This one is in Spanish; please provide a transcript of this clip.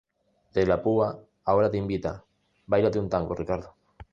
De la Púa ahora te invita;¡bailate un tango, Ricardo!